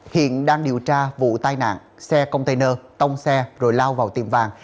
hiện đang điều tra vụ tai nạn xe container tông xe rồi lao vào tiệm vàng